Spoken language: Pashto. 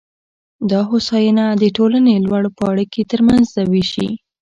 دا هوساینه د ټولنې لوړ پاړکي ترمنځ وېشي